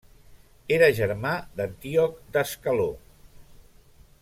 Era germà d'Antíoc d'Ascaló.